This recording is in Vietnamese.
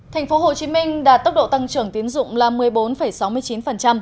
thành phố hồ chí minh đạt tốc độ tăng trưởng tiến dụng là một mươi bốn sáu mươi chín